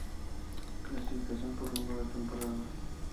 Clasificación por número de temporadas.